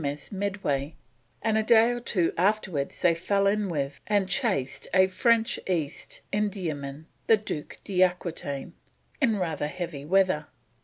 M.S. Medway, and a day or two afterwards they fell in with and chased a French East Indiaman, the Duc d'Aquitaine, in rather heavy weather.